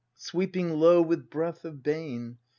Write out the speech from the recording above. Sweeping low with breath of bane.